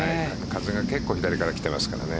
風が結構左から来てますからね。